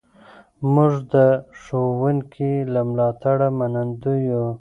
موږ د ښوونکي له ملاتړه منندوی یو.